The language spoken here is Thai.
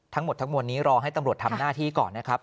ทั้งหมดทั้งมวลนี้รอให้ตำรวจทำหน้าที่ก่อนนะครับ